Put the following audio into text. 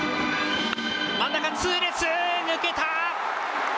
真ん中、痛烈、抜けた。